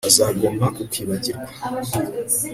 Azagomba kukwibagirwa